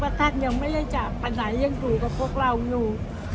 ว่าท่านยังไม่ได้จับปัญหายังอยู่กับพวกเราอยู่